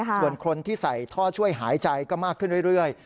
ส่วนคนที่ใส่ท่อช่วยหายใจก็มากขึ้นเรื่อย